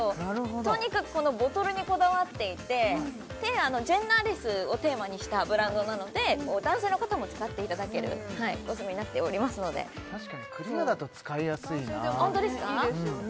とにかくこのボトルにこだわっていてジェンダーレスをテーマにしたブランドなので男性の方も使っていただけるコスメになっておりますので確かにクリアだと使いやすいな男性でもねいいですよね